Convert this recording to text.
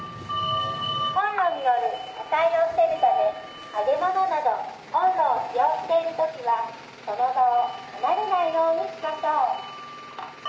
コンロによる火災を防ぐため揚げ物などコンロを使用している時はその場を離れないようにしましょう。